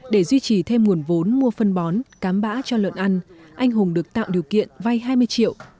để duy trì thêm nguồn vốn mua phân bón cám bã cho lợn ăn anh hùng được tạo điều kiện vay hai mươi triệu